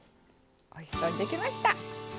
おいしそうにできました。